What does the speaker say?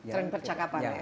trend percakapan ya